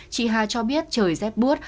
chị hà cho biết trời rét bút